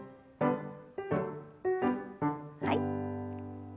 はい。